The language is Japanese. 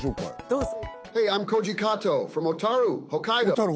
どうぞ。